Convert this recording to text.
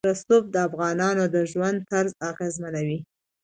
رسوب د افغانانو د ژوند طرز اغېزمنوي.